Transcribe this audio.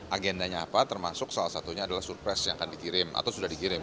agendanya apa termasuk salah satunya adalah surprise yang akan dikirim atau sudah dikirim